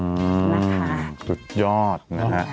อืมสุดยอดนะฮะ